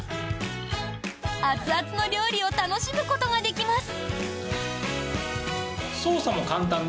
熱々の料理を楽しむことができます。